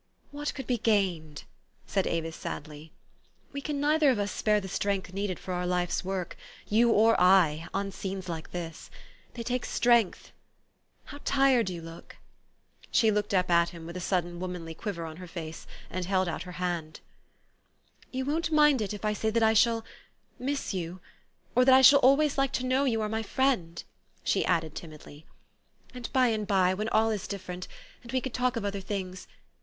"What could be gained?" said Avis sadly. " We can neither of us spare the strength needed for our life's work you or I on scenes like this. They take strength. How tired }'ou look !" She looked up at him with a sudden womau/y quiver on her face, and held out her hand. THE STORY OF AVIS. 131 " You won't mind it, if I say that I shall miss you ? Or that I shall always like to know } T OU are my friend? " she added timidly. " And by and by, when all is different ... and we can talk of other things